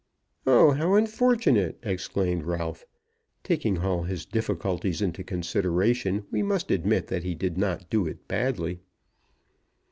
"Oh, how unfortunate!" exclaimed Ralph. Taking all his difficulties into consideration, we must admit that he did not do it badly.